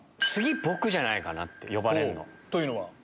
次僕じゃないかな呼ばれるの。というのは？